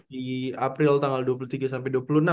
di april tanggal dua puluh tiga sampai dua puluh enam